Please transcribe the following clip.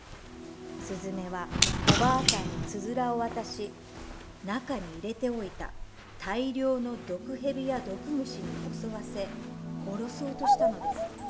すずめはおばあさんにつづらを渡し中に入れておいた大量の毒蛇や毒虫に襲わせ殺そうとしたのです。